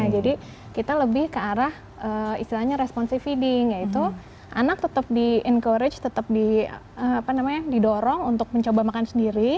jadi kita lebih ke arah istilahnya responsive feeding yaitu anak tetap di encourage tetap di apa namanya didorong untuk mencoba makan sendiri